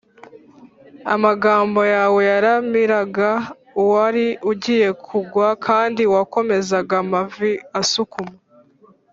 amagambo yawe yaramiraga uwari ugiye kugwa, kandi wakomezaga amavi asukuma